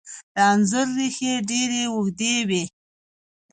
د انځر ریښې ډیرې اوږدې وي.